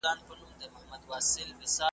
نوح ته ولاړم تر توپانه ,